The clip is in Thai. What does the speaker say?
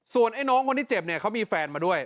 ส่วนไอ้น้องคนที่เจ็บเนี่ยเขามีแฟนมาด้วย